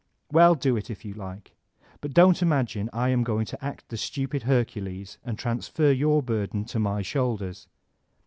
Well, do it if you like. But don't imagine I am going to act the stupid Hercules and transfer your burden to my shoulders.